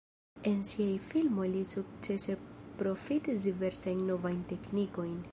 En siaj filmoj li sukcese profitis diversajn novajn teknikojn.